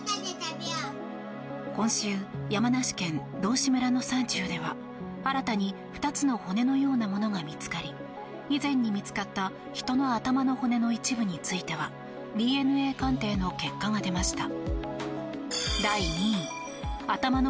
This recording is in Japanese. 今週、山梨県道志村の山中では新たに２つの骨のようなものが見つかり以前に見つかった人の頭の骨の一部についてはＤＮＡ鑑定の結果が出ました。